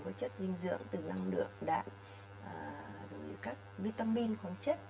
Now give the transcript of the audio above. cái chất dinh dưỡng từ năng lượng đạn các vitamin khói chất